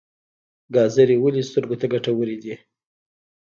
ګازرې ولې سترګو ته ګټورې دي؟